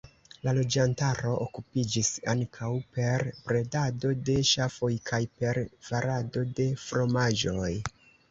La loĝantaro okupiĝis ankaŭ per bredado de ŝafoj kaj per farado de fromaĝoj.